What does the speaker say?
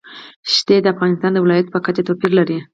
ښتې د افغانستان د ولایاتو په کچه توپیر لري.